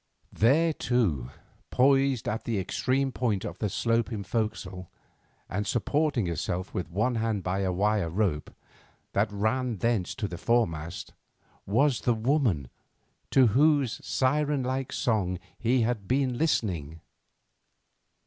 There, too, poised at the extreme point of the sloping forecastle, and supporting herself with one hand by a wire rope that ran thence to the foremast, was the woman to whose siren like song he had been listening.